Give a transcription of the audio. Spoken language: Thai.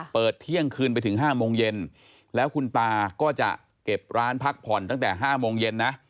เที่ยงคืนไปถึง๕โมงเย็นแล้วคุณตาก็จะเก็บร้านพักผ่อนตั้งแต่๕โมงเย็นนะ